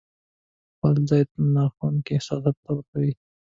خپل ځای ناخوښونکو احساساتو ته ورکوي.